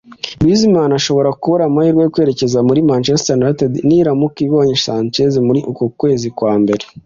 Griezmann ashobora kubura amahirwe yo kwerekeza muri Manchester United niramuka ibonye Sanchez muri uku kwezi kwa mbere